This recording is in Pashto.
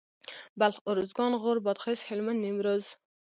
بلخ اروزګان غور بادغيس هلمند نيمروز